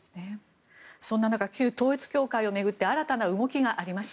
そんな中旧統一教会を巡って新たな動きがありました。